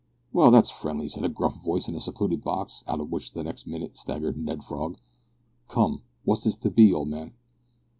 "Well, that's friendly," said a gruff voice in a secluded box, out of which next minute staggered Ned Frog. "Come, what is't to be, old man?"